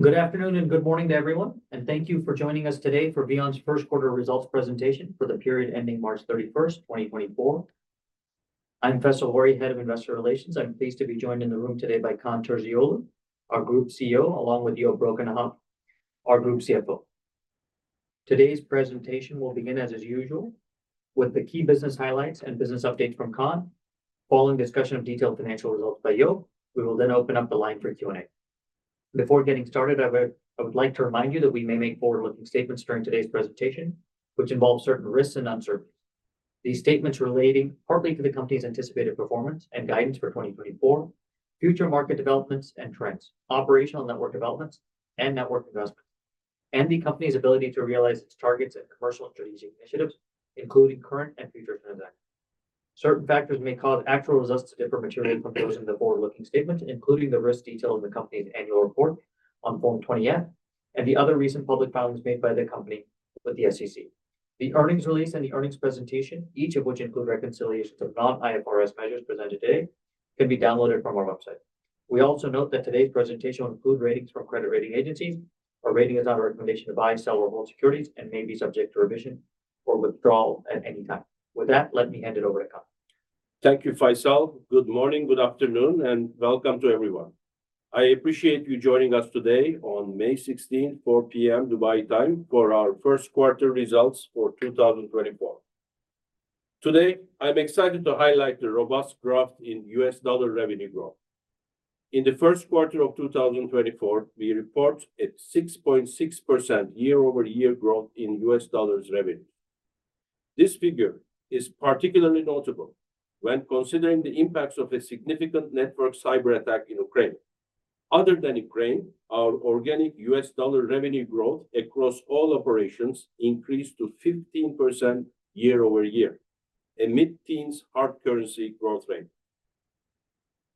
Good afternoon and good morning to everyone, and thank you for joining us today for VEON's first quarter results presentation for the period ending March 31, 2024. I'm Faisal Ghori, Head of Investor Relations. I'm pleased to be joined in the room today by Kaan Terzioğlu, our Group CEO, along with Joop Brakenhoff, our Group CFO. Today's presentation will begin, as is usual, with the key business highlights and business updates from Kaan, following discussion of detailed financial results by Joop. We will then open up the line for Q&A. Before getting started, I would like to remind you that we may make forward-looking statements during today's presentation, which involve certain risks and uncertainties. These statements relating partly to the company's anticipated performance and guidance for 2024, future market developments and trends, operational network developments and network investments, and the company's ability to realize its targets and commercial strategy initiatives, including current and future transactions. Certain factors may cause actual results to differ materially from those in the forward-looking statements, including the risks detailed in the company's annual report on Form 20-F and the other recent public filings made by the company with the SEC. The earnings release and the earnings presentation, each of which include reconciliations of non-IFRS measures presented today, can be downloaded from our website. We also note that today's presentation will include ratings from credit rating agencies. A rating is not a recommendation to buy, sell, or hold securities and may be subject to revision or withdrawal at any time. With that, let me hand it over to Kaan. Thank you, Faisal. Good morning, good afternoon, and welcome to everyone. I appreciate you joining us today on May 16th, 4:00 P.M. Dubai time, for our first quarter results for 2024. Today, I'm excited to highlight the robust growth in U.S. dollar revenue growth. In the first quarter of 2024, we report a 6.6% year-over-year growth in U.S. dollars revenue. This figure is particularly notable when considering the impacts of a significant network cyberattack in Ukraine. Other than Ukraine, our organic U.S. dollar revenue growth across all operations increased to 15% year-over-year, a mid-teens hard currency growth rate.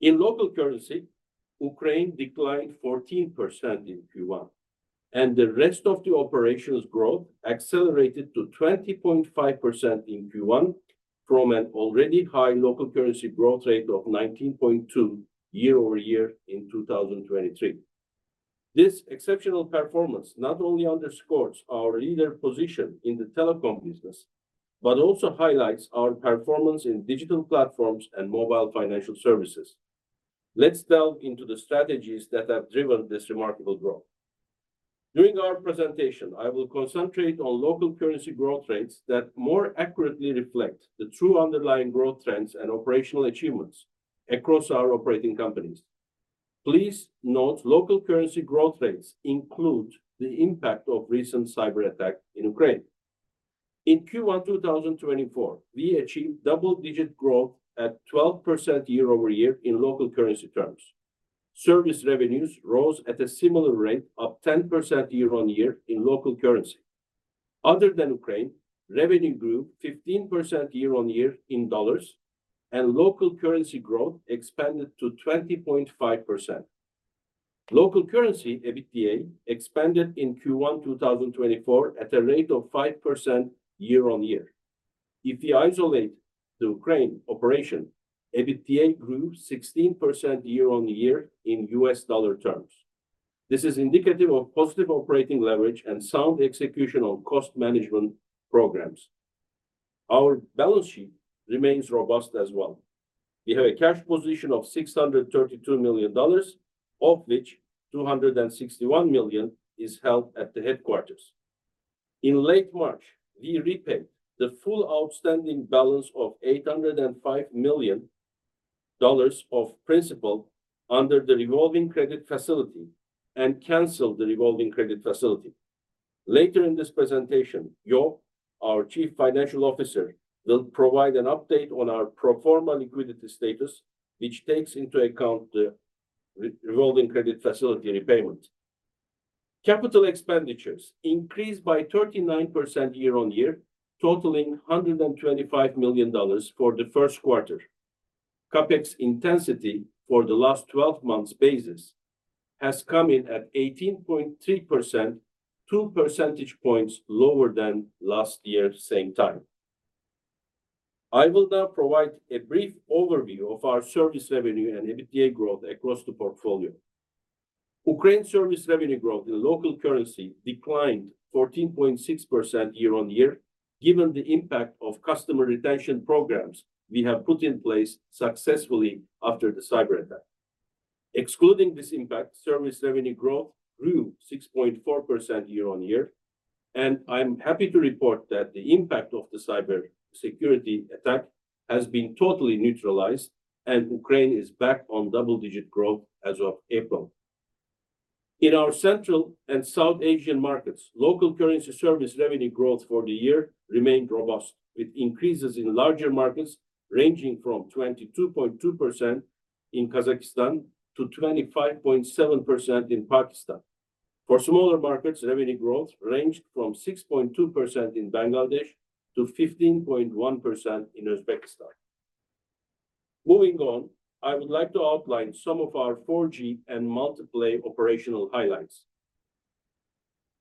In local currency, Ukraine declined 14% in Q1, and the rest of the operations growth accelerated to 20.5% in Q1 from an already high local currency growth rate of 19.2% year over year in 2023. This exceptional performance not only underscores our leadership position in the telecom business, but also highlights our performance in digital platforms and mobile financial services. Let's delve into the strategies that have driven this remarkable growth. During our presentation, I will concentrate on local currency growth rates that more accurately reflect the true underlying growth trends and operational achievements across our operating companies. Please note, local currency growth rates include the impact of recent cyberattack in Ukraine. In Q1 2024, we achieved double-digit growth at 12% year-over-year in local currency terms. Service revenues rose at a similar rate of 10% year-on-year in local currency. Other than Ukraine, revenue grew 15% year-on-year in dollars, and local currency growth expanded to 20.5%. Local currency, EBITDA, expanded in Q1 2024 at a rate of 5% year-on-year. If you isolate the Ukraine operation, EBITDA grew 16% year-on-year in U.S. dollar terms. This is indicative of positive operating leverage and sound execution on cost management programs. Our balance sheet remains robust as well. We have a cash position of $632 million, of which $261 million is held at the headquarters. In late March, we repaid the full outstanding balance of $805 million of principal under the revolving credit facility and canceled the revolving credit facility. Later in this presentation, Joop, our Chief Financial Officer, will provide an update on our pro forma liquidity status, which takes into account the revolving credit facility repayment. Capital expenditures increased by 39% year-on-year, totaling $125 million for the first quarter. CapEx intensity for the last twelve months basis has come in at 18.3%, 2 percentage points lower than last year same time. I will now provide a brief overview of our service revenue and EBITDA growth across the portfolio. Ukraine service revenue growth in local currency declined 14.6% year-on-year, given the impact of customer retention programs we have put in place successfully after the cyberattack. Excluding this impact, service revenue growth grew 6.4% year-on-year, and I'm happy to report that the impact of the cyber security attack has been totally neutralized, and Ukraine is back on double-digit growth as of April. In our Central and South Asian markets, local currency service revenue growth for the year remained robust, with increases in larger markets ranging from 22.2% in Kazakhstan to 25.7% in Pakistan. For smaller markets, revenue growth ranged from 6.2% in Bangladesh to 15.1% in Uzbekistan. Moving on, I would like to outline some of our 4G and Multiplay operational highlights....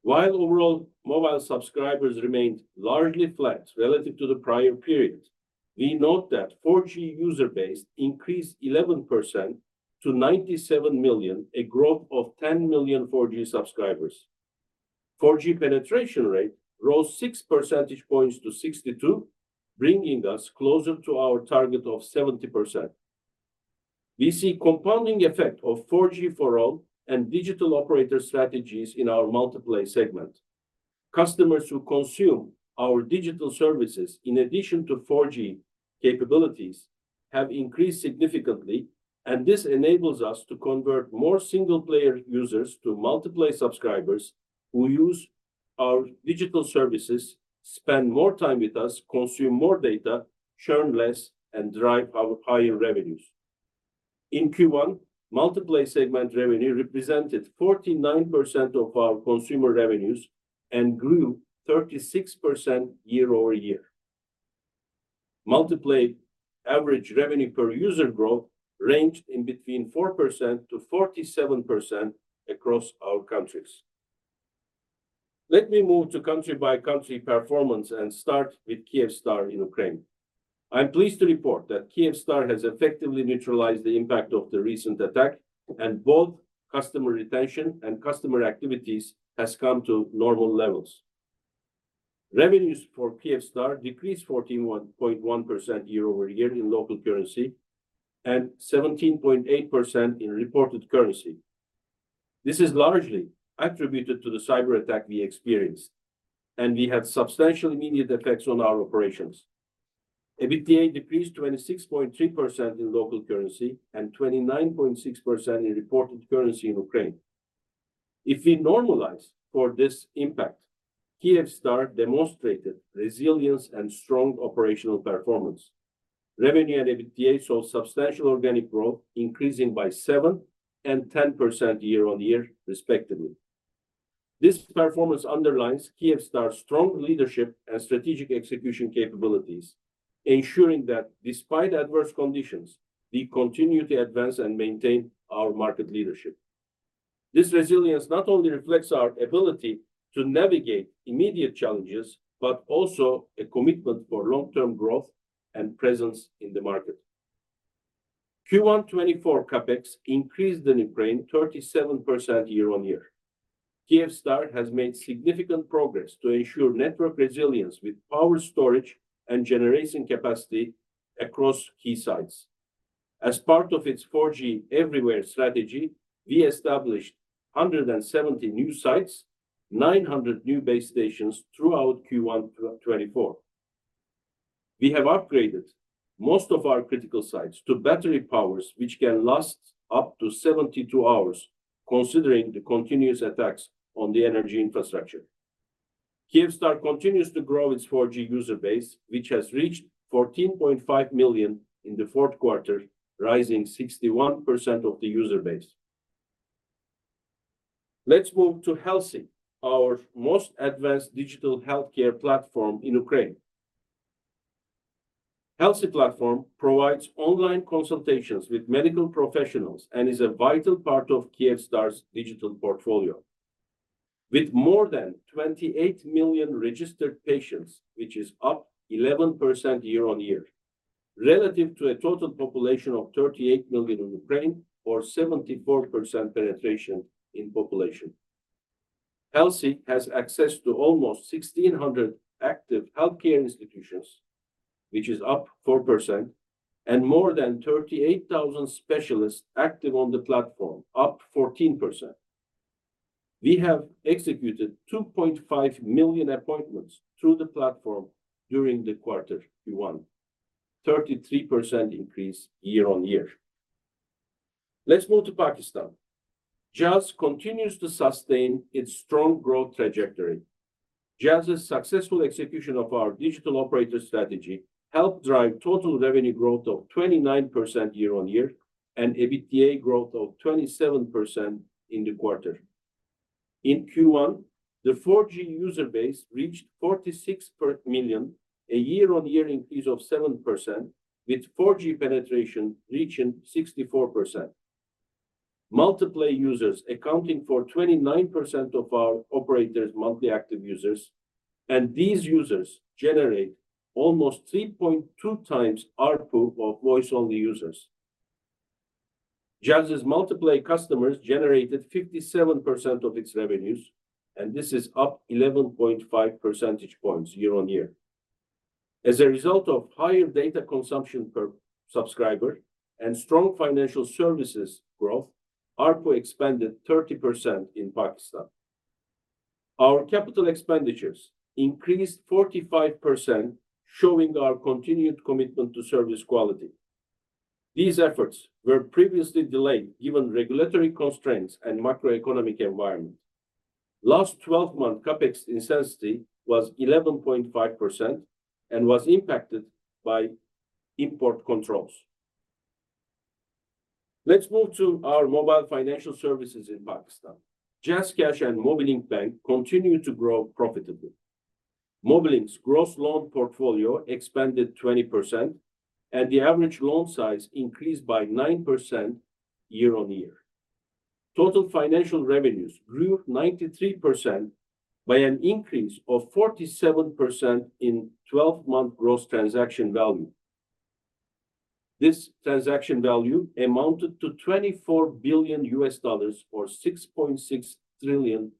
While overall mobile subscribers remained largely flat relative to the prior period, we note that 4G user base increased 11% to 97 million, a growth of 10 million 4G subscribers. 4G penetration rate rose 6 percentage points to 62, bringing us closer to our target of 70%. We see compounding effect of 4G for All and digital operator strategies in our multiplay segment. Customers who consume our digital services in addition to 4G capabilities, have increased significantly, and this enables us to convert more single-player users to Multiplay subscribers who use our digital services, spend more time with us, consume more data, churn less, and drive our higher revenues. In Q1, Multiplay segment revenue represented 49% of our consumer revenues and grew 36% year-over-year. Multiplay average revenue per user growth ranged in between 4% to 47% across our countries. Let me move to country-by-country performance and start with Kyivstar in Ukraine. I'm pleased to report that Kyivstar has effectively neutralized the impact of the recent attack, and both customer retention and customer activities has come to normal levels. Revenues for Kyivstar decreased 14.1% year-over-year in local currency and 17.8% in reported currency. This is largely attributed to the cyberattack we experienced, and we had substantial immediate effects on our operations. EBITDA decreased 26.3% in local currency and 29.6% in reported currency in Ukraine. If we normalize for this impact, Kyivstar demonstrated resilience and strong operational performance. Revenue and EBITDA saw substantial organic growth, increasing by 7% and 10% year-on-year, respectively. This performance underlines Kyivstar's strong leadership and strategic execution capabilities, ensuring that despite adverse conditions, we continue to advance and maintain our market leadership. This resilience not only reflects our ability to navigate immediate challenges, but also a commitment for long-term growth and presence in the market. Q1 2024 CapEx increased in Ukraine 37% year-on-year. Kyivstar has made significant progress to ensure network resilience with power storage and generation capacity across key sites. As part of its 4G Everywhere strategy, we established 170 new sites, 900 new base stations throughout Q1 2024. We have upgraded most of our critical sites to battery power, which can last up to 72 hours, considering the continuous attacks on the energy infrastructure. Kyivstar continues to grow its 4G user base, which has reached 14.5 million in the fourth quarter, rising 61% of the user base. Let's move to Helsi, our most advanced digital healthcare platform in Ukraine. Helsi platform provides online consultations with medical professionals and is a vital part of Kyivstar's digital portfolio. With more than 28 million registered patients, which is up 11% year-over-year, relative to a total population of 38 million in Ukraine, or 74% penetration in population. Helsi has access to almost 1,600 active healthcare institutions, which is up 4%, and more than 38,000 specialists active on the platform, up 14%. We have executed 2.5 million appointments through the platform during the quarter Q1, 33% increase year-over-year. Let's move to Pakistan. Jazz continues to sustain its strong growth trajectory. Jazz's successful execution of our digital operator strategy helped drive total revenue growth of 29% year-over-year and EBITDA growth of 27% in the quarter. In Q1, the 4G user base reached 46 million, a year-over-year increase of 7%, with 4G penetration reaching 64%. Multiplay users accounting for 29% of our operators' monthly active users, and these users generate almost 3.2x ARPU of voice-only users. Jazz's Multiplay customers generated 57% of its revenues, and this is up 11.5 percentage points year-over-year. As a result of higher data consumption per subscriber and strong financial services growth, ARPU expanded 30% in Pakistan. Our capital expenditures increased 45%, showing our continued commitment to service quality. These efforts were previously delayed, given regulatory constraints and macroeconomic environment. Last twelve-month CapEx intensity was 11.5% and was impacted by import controls. Let's move to our mobile financial services in Pakistan. JazzCash and Mobilink Bank continue to grow profitably.... Mobilink's gross loan portfolio expanded 20%, and the average loan size increased by 9% year-on-year. Total financial revenues grew 93% by an increase of 47% in 12-month gross transaction value. This transaction value amounted to $24 billion, or PKR 6.6 trillion.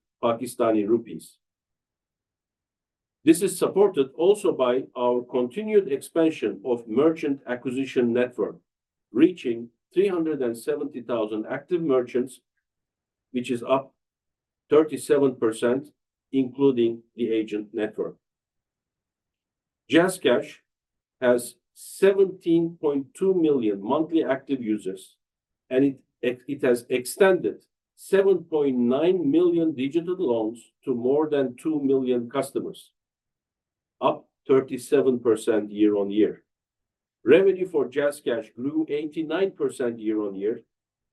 This is supported also by our continued expansion of merchant acquisition network, reaching 370,000 active merchants, which is up 37%, including the agent network. JazzCash has 17.2 million monthly active users, and it has extended 7.9 million digital loans to more than two million customers, up 37% year-on-year. Revenue for JazzCash grew 89% year-on-year,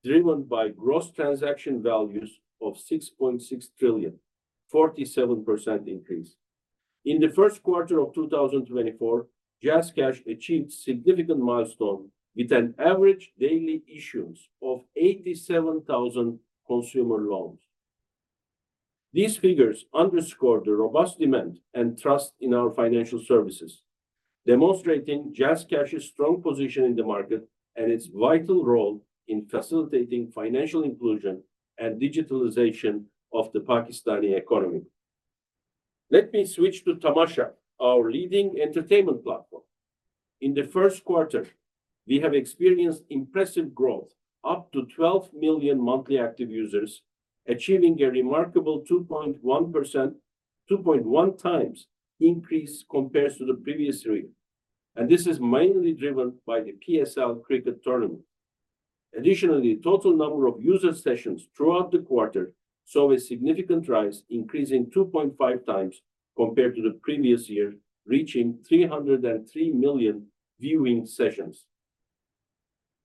driven by gross transaction values of 6.6 trillion, 47% increase. In the first quarter of 2024, JazzCash achieved significant milestone with an average daily issuance of 87,000 consumer loans. These figures underscore the robust demand and trust in our financial services, demonstrating JazzCash's strong position in the market and its vital role in facilitating financial inclusion and digitalization of the Pakistani economy. Let me switch to Tamasha, our leading entertainment platform. In the first quarter, we have experienced impressive growth, up to 12 million monthly active users, achieving a remarkable 2.1x increase compares to the previous year, and this is mainly driven by the PSL cricket tournament. Additionally, total number of user sessions throughout the quarter saw a significant rise, increasing 2.5x compared to the previous year, reaching 303 million viewing sessions.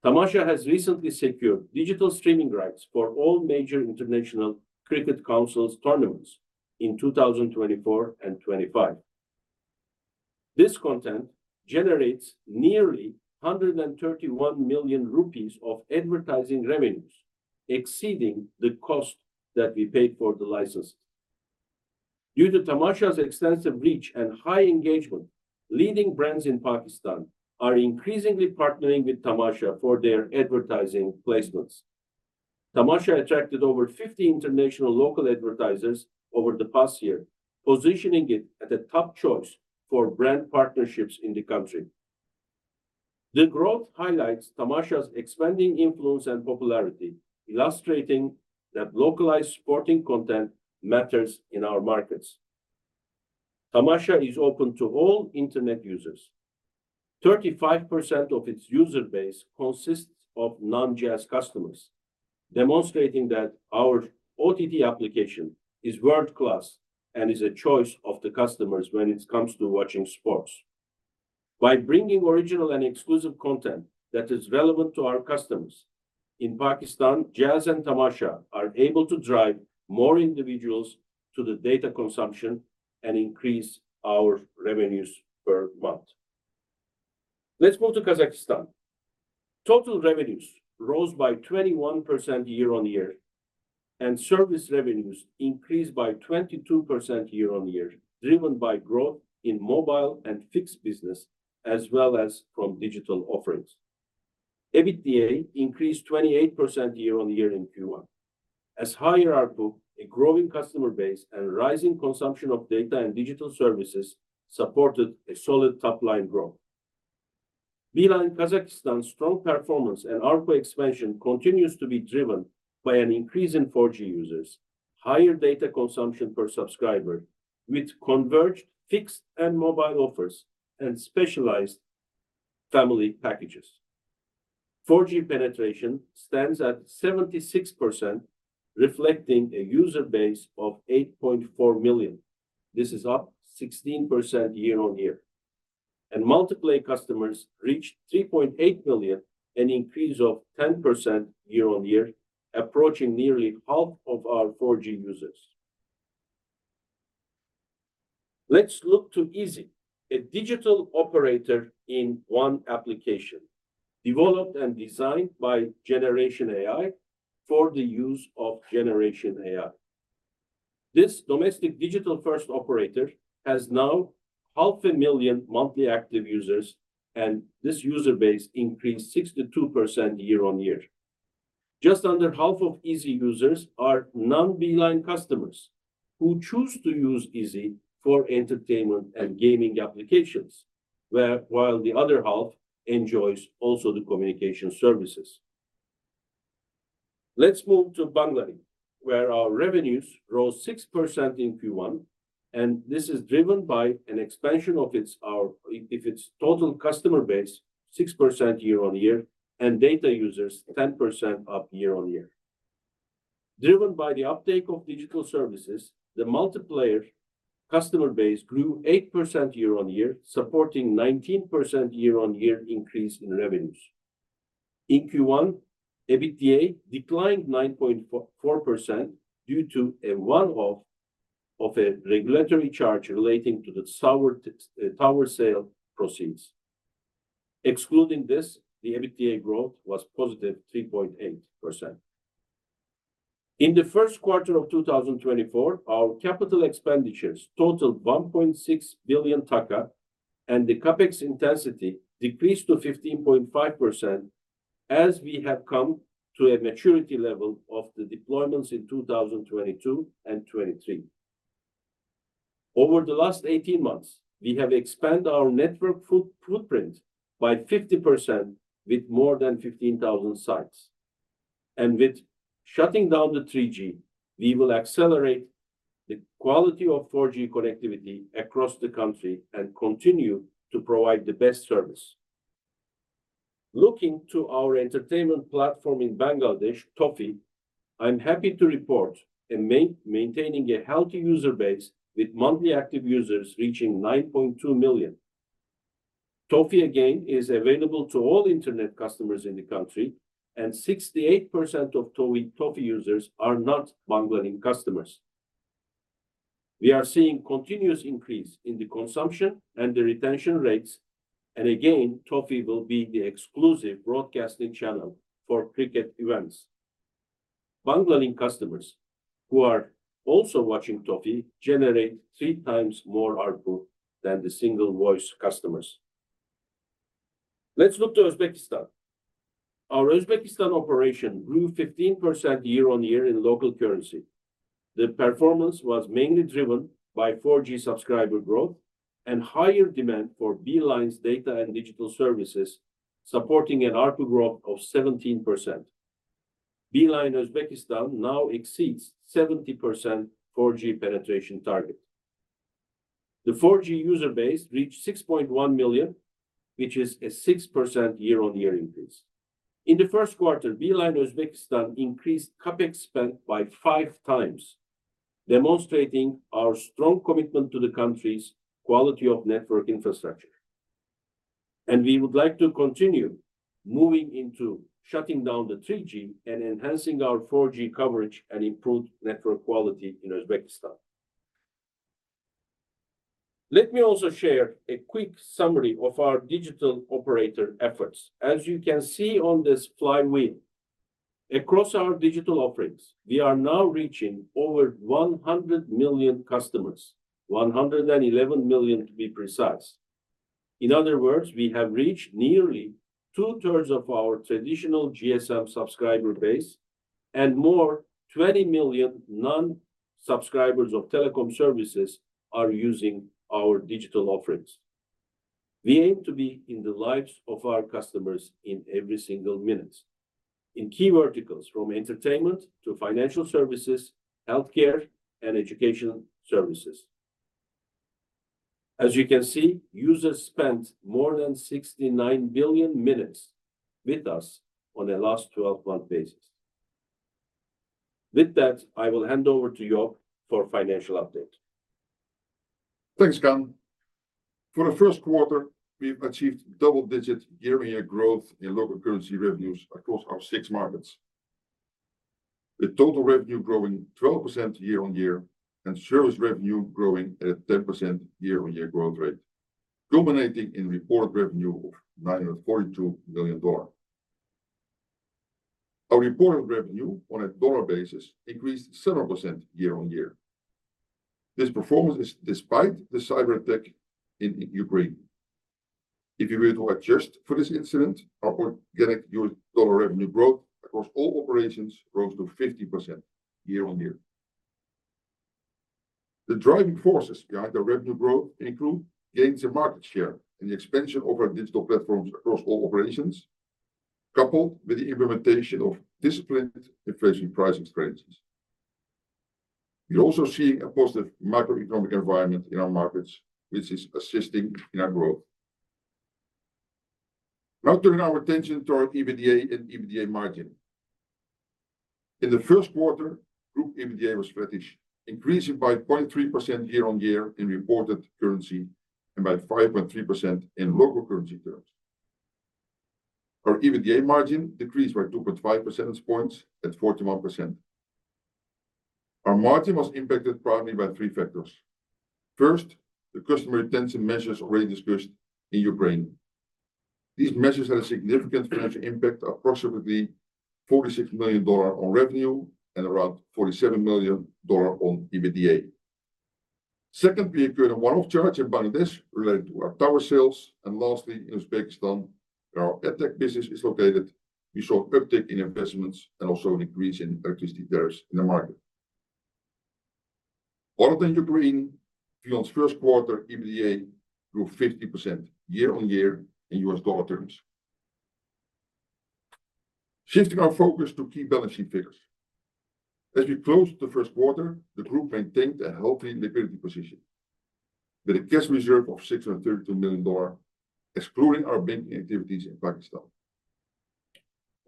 Tamasha has recently secured digital streaming rights for all major International Cricket Council's tournaments in 2024 and 2025. This content generates nearly PKR 131 million of advertising revenues, exceeding the cost that we paid for the license. Due to Tamasha's extensive reach and high engagement, leading brands in Pakistan are increasingly partnering with Tamasha for their advertising placements. Tamasha attracted over 50 international local advertisers over the past year, positioning it at the top choice for brand partnerships in the country. The growth highlights Tamasha's expanding influence and popularity, illustrating that localized sporting content matters in our markets. Tamasha is open to all internet users. 35% of its user base consists of non-Jazz customers, demonstrating that our OTT application is world-class and is a choice of the customers when it comes to watching sports. By bringing original and exclusive content that is relevant to our customers, in Pakistan, Jazz and Tamasha are able to drive more individuals to the data consumption and increase our revenues per month. Let's move to Kazakhstan. Total revenues rose by 21% year-on-year, and service revenues increased by 22% year-on-year, driven by growth in mobile and fixed business, as well as from digital offerings. EBITDA increased 28% year-on-year in Q1, as higher ARPU, a growing customer base, and rising consumption of data and digital services supported a solid top-line growth. Beeline Kazakhstan's strong performance and ARPU expansion continues to be driven by an increase in 4G users, higher data consumption per subscriber with converged fixed and mobile offers and specialized family packages. 4G penetration stands at 76%, reflecting a user base of 8.4 million. This is up 16% year-on-year. Multiplay customers reached 3.8 million, an increase of 10% year-on-year, approaching nearly half of our 4G users. Let's look to izi, a digital operator in one application, developed and designed by Generation AI for the use of Generation AI. This domestic digital-first operator has now 500,000 monthly active users, and this user base increased 62% year-on-year. Just under half of izi users are non-Beeline customers, who choose to use izi for entertainment and gaming applications, where, while the other half enjoys also the communication services. Let's move to Bangladesh, where our revenues rose 6% in Q1, and this is driven by an expansion of its total customer base, 6% year-on-year, and data users, 10% up year-on-year. Driven by the uptake of digital services, the Multiplay customer base grew 8% year-on-year, supporting 19% year-on-year increase in revenues. In Q1, EBITDA declined 9.4% due to a one-off of a regulatory charge relating to the tower sale proceeds. Excluding this, the EBITDA growth was positive 3.8%. In the first quarter of 2024, our capital expenditures totaled BDT 1.6 billion, and the CapEx intensity decreased to 15.5% as we have come to a maturity level of the deployments in 2022 and 2023. Over the last 18 months, we have expanded our network footprint by 50% with more than 15,000 sites. And with shutting down the 3G, we will accelerate the quality of 4G connectivity across the country and continue to provide the best service. Looking to our entertainment platform in Bangladesh, Toffee, I'm happy to report maintaining a healthy user base with monthly active users reaching 9.2 million. Toffee, again, is available to all internet customers in the country, and 68% of Toffee, Toffee users are not Banglalink customers. We are seeing continuous increase in the consumption and the retention rates, and again, Toffee will be the exclusive broadcasting channel for cricket events. Banglalink customers, who are also watching Toffee, generate three times more ARPU than the single voice customers. Let's look to Uzbekistan. Our Uzbekistan operation grew 15% year-on-year in local currency. The performance was mainly driven by 4G subscriber growth and higher demand for Beeline's data and digital services, supporting an ARPU growth of 17%. Beeline Uzbekistan now exceeds 70% 4G penetration target. The 4G user base reached 6.1 million, which is a 6% year-on-year increase. In the first quarter, Beeline Uzbekistan increased CapEx spend by 5x, demonstrating our strong commitment to the country's quality of network infrastructure. We would like to continue moving into shutting down the 3G and enhancing our 4G coverage and improved network quality in Uzbekistan. Let me also share a quick summary of our digital operator efforts. As you can see on this flywheel, across our digital offerings, we are now reaching over 100 million customers, 111 million, to be precise. In other words, we have reached nearly 2/3 of our traditional GSM subscriber base, and more, 20 million non-subscribers of telecom services are using our digital offerings. We aim to be in the lives of our customers in every single minute, in key verticals, from entertainment to financial services, healthcare, and education services. As you can see, users spent more than 69 billion minutes with us on a last twelve-month basis. With that, I will hand over to Joop for financial update. Thanks, Kaan. For the first quarter, we've achieved double-digit year-on-year growth in local currency revenues across our six markets, with total revenue growing 12% year-on-year and service revenue growing at a 10% year-on-year growth rate, culminating in reported revenue of $942 million. Our reported revenue on a dollar basis increased 7% year-on-year. This performance is despite the cyberattack in Ukraine. If you were to adjust for this incident, our organic U.S. dollar revenue growth across all operations rose to 15% year-on-year. The driving forces behind the revenue growth include gains in market share and the expansion of our digital platforms across all operations, coupled with the implementation of disciplined inflation pricing strategies. We're also seeing a positive macroeconomic environment in our markets, which is assisting in our growth. Now turning our attention to our EBITDA and EBITDA margin. In the first quarter, group EBITDA was steady, increasing by 0.3% year-on-year in reported currency and by 5.3% in local currency terms. Our EBITDA margin decreased by 2.5 percentage points at 41%. Our margin was impacted primarily by three factors. First, the customer retention measures already discussed in Ukraine. These measures had a significant financial impact, approximately $46 million on revenue and around $47 million on EBITDA. Second, we incurred a one-off charge in Bangladesh related to our tower sales. And lastly, in Uzbekistan, where our EdTech business is located, we saw uptick in investments and also an increase in electricity tariffs in the market. Other than Ukraine, VEON's first quarter EBITDA grew 50% year-on-year in U.S. dollar terms. Shifting our focus to key balance sheet figures. As we closed the first quarter, the group maintained a healthy liquidity position with a cash reserve of $632 million, excluding our banking activities in Pakistan.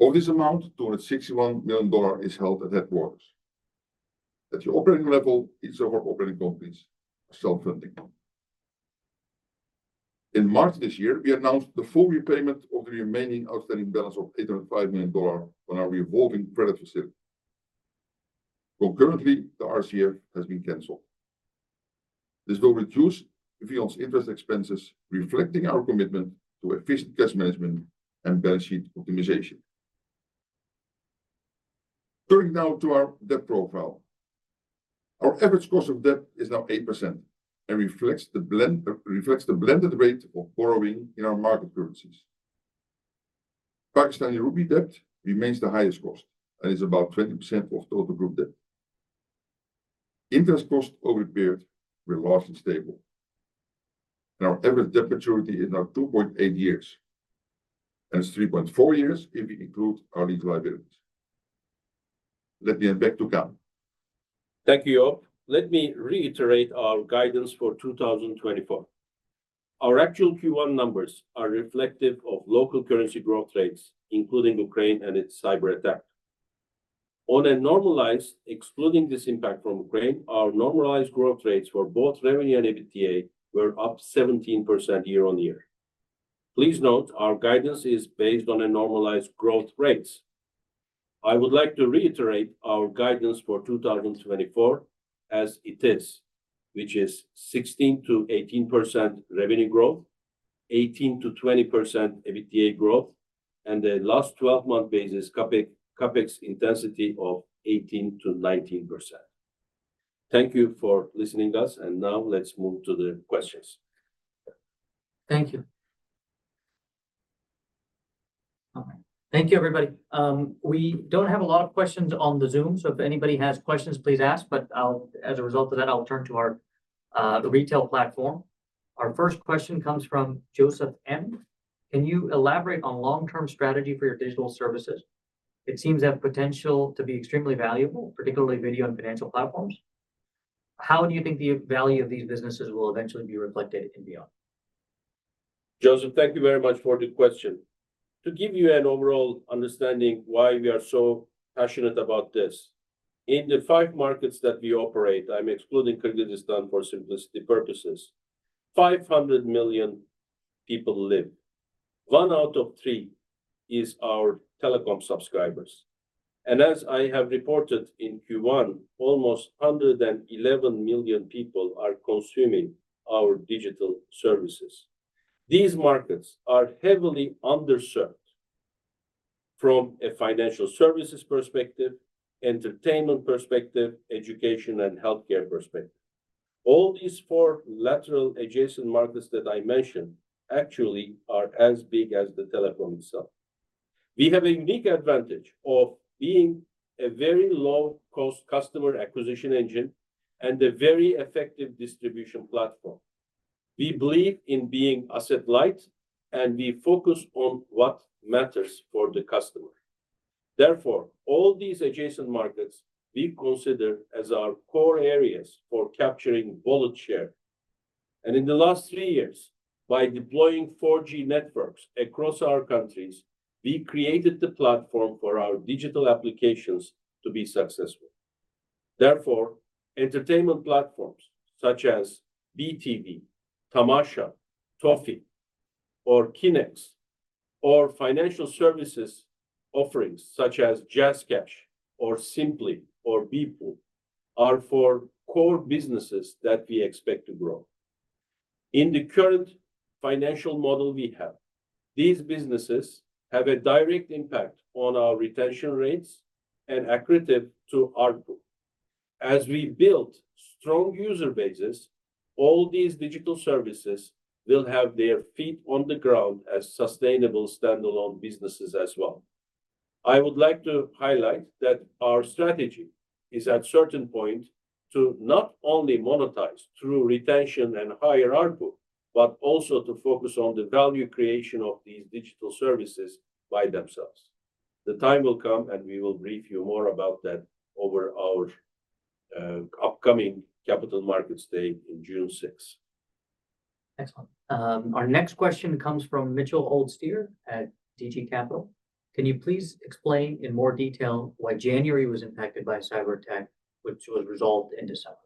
Of this amount, $261 million is held at headquarters. At the operating level, each of our operating companies are self-funding.... In March this year, we announced the full repayment of the remaining outstanding balance of $805 million on our revolving credit facility. Concurrently, the RCF has been canceled. This will reduce VEON's interest expenses, reflecting our commitment to efficient cash management and balance sheet optimization. Turning now to our debt profile. Our average cost of debt is now 8% and reflects the blend, reflects the blended rate of borrowing in our market currencies. Pakistani rupee debt remains the highest cost and is about 20% of total group debt. Interest costs over the period were largely stable, and our average debt maturity is now 2.8 years, and it's 3.4 years if we include our lease liabilities. Let me hand back to Kaan. Thank you, Joop. Let me reiterate our guidance for 2024. Our actual Q1 numbers are reflective of local currency growth rates, including Ukraine and its cyberattack. On a normalized, excluding this impact from Ukraine, our normalized growth rates for both revenue and EBITDA were up 17% year-on-year. Please note, our guidance is based on a normalized growth rates. I would like to reiterate our guidance for 2024 as it is, which is 16%-18% revenue growth, 18%-20% EBITDA growth, and the last twelve-month basis CapEx, CapEx intensity of 18%-19%. Thank you for listening to us, and now let's move to the questions. Thank you. Okay, thank you, everybody. We don't have a lot of questions on the Zoom, so if anybody has questions, please ask, but as a result of that, I'll turn to our the retail platform. Our first question comes from Joseph M: Can you elaborate on long-term strategy for your digital services? It seems to have potential to be extremely valuable, particularly video and financial platforms. How do you think the value of these businesses will eventually be reflected in VEON? Joseph, thank you very much for the question. To give you an overall understanding why we are so passionate about this, in the five markets that we operate, I'm excluding Kyrgyzstan for simplicity purposes, 500 million people live. One out of three is our telecom subscribers. As I have reported in Q1, almost 111 million people are consuming our digital services. These markets are heavily underserved from a financial services perspective, entertainment perspective, education, and healthcare perspective. All these four lateral adjacent markets that I mentioned actually are as big as the telecom itself. We have a unique advantage of being a very low-cost customer acquisition engine and a very effective distribution platform. We believe in being asset light, and we focus on what matters for the customer. Therefore, all these adjacent markets we consider as our core areas for capturing wallet share. In the last three years, by deploying 4G networks across our countries, we created the platform for our digital applications to be successful. Therefore, entertainment platforms such as BeeTV, Tamasha, Toffee or Kinex, or financial services offerings such as JazzCash or Simply or Beepul, are four core businesses that we expect to grow. In the current financial model we have, these businesses have a direct impact on our retention rates and accretive to ARPU. As we build strong user bases, all these digital services will have their feet on the ground as sustainable standalone businesses as well. I would like to highlight that our strategy is at certain point, to not only monetize through retention and higher ARPU, but also to focus on the value creation of these digital services by themselves. The time will come, and we will brief you more about that over our upcoming Capital Markets Day in June sixth. Excellent. Our next question comes from Mitchell Aulds-Stier at DG Capital. Can you please explain in more detail why January was impacted by a cyberattack which was resolved in December?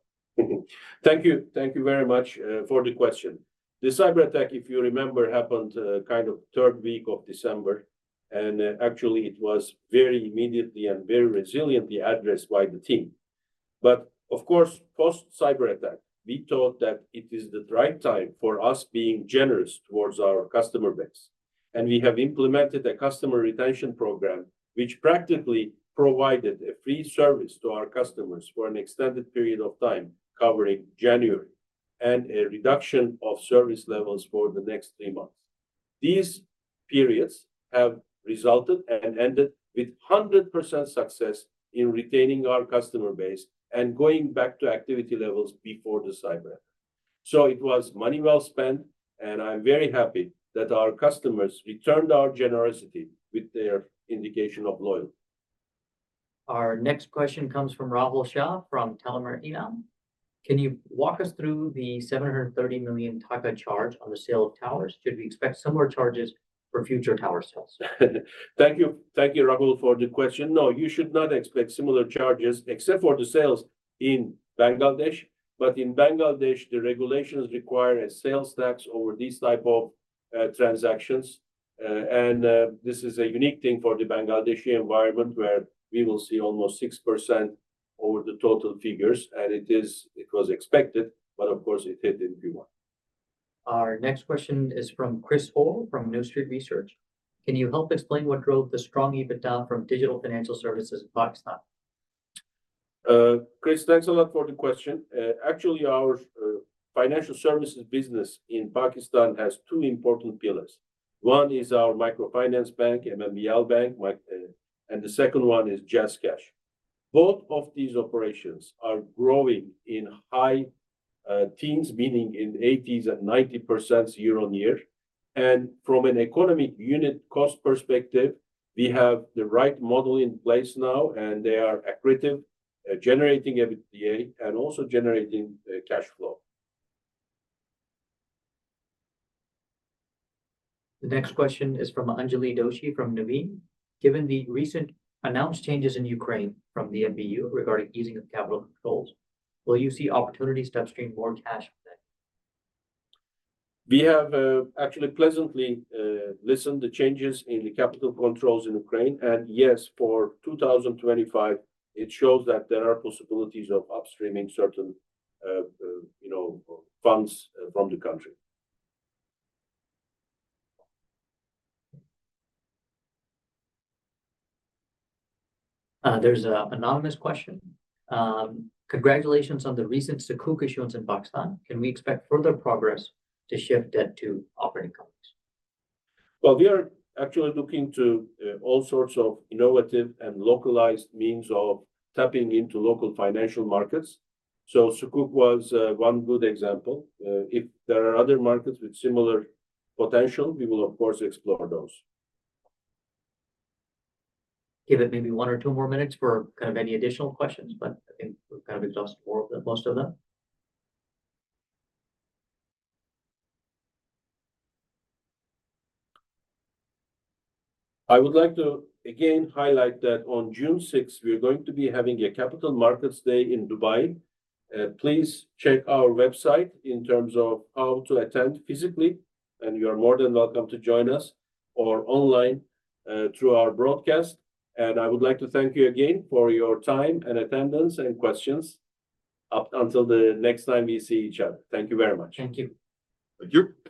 Thank you. Thank you very much, for the question. The cyberattack, if you remember, happened, kind of third week of December, and, actually, it was very immediately and very resiliently addressed by the team. But of course, post-cyberattack, we thought that it is the right time for us being generous towards our customer base. We have implemented a customer retention program, which practically provided a free service to our customers for an extended period of time, covering January, and a reduction of service levels for the next three months. These periods have resulted and ended with 100% success in retaining our customer base and going back to activity levels before the cyberattack. So it was money well spent, and I'm very happy that our customers returned our generosity with their indication of loyalty. Our next question comes from Rahul Shah from Tellimer. Can you walk us through the BDT 730 million charge on the sale of towers? Should we expect similar charges for future tower sales? Thank you. Thank you, Rahul, for the question. No, you should not expect similar charges except for the sales in Bangladesh. But in Bangladesh, the regulations require a sales tax over these type of transactions. And this is a unique thing for the Bangladeshi environment, where we will see almost 6% over the total figures. And it is-- it was expected, but of course, it hit in Q1. Our next question is from Chris Hall, from New Street Research. Can you help explain what drove the strong EBITDA from digital financial services in Pakistan? Chris, thanks a lot for the question. Actually, our financial services business in Pakistan has two important pillars. One is our microfinance bank, MMBL Bank, and the second one is JazzCash. Both of these operations are growing in high teens, meaning in 80s and 90% year-on-year. And from an economic unit cost perspective, we have the right model in place now, and they are accretive, generating EBITDA, and also generating cash flow. The next question is from Anjali Doshi, from Nuveen: Given the recent announced changes in Ukraine from the NBU regarding easing of capital controls, will you see opportunities to upstream more cash from there? We have actually pleasantly listened to the changes in the capital controls in Ukraine, and yes, for 2025, it shows that there are possibilities of upstreaming certain, you know, funds from the country. There's an anonymous question: Congratulations on the recent Sukuk issuance in Pakistan. Can we expect further progress to shift debt to operating companies? Well, we are actually looking to all sorts of innovative and localized means of tapping into local financial markets, so Sukuk was one good example. If there are other markets with similar potential, we will of course explore those. Give it maybe one or two more minutes for kind of any additional questions, but I think we've kind of exhausted more of... most of them. I would like to, again, highlight that on June sixth, we are going to be having a Capital Markets Day in Dubai. Please check our website in terms of how to attend physically, and you are more than welcome to join us or online through our broadcast. And I would like to thank you again for your time and attendance, and questions. Up until the next time we see each other. Thank you very much. Thank you. Thank you.